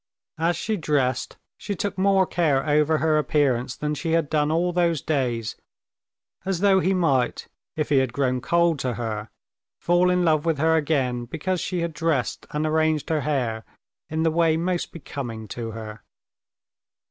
As she dressed, she took more care over her appearance than she had done all those days, as though he might, if he had grown cold to her, fall in love with her again because she had dressed and arranged her hair in the way most becoming to her.